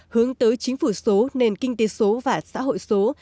hướng tới chính phủ số nền kinh tế số và xã hội số